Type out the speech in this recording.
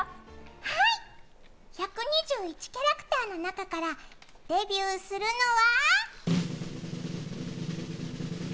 はい、１２１キャラクターの中からデビューするのは。